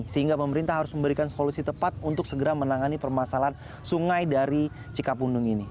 sehingga pemerintah harus memberikan solusi tepat untuk segera menangani permasalahan sungai dari cikapundung ini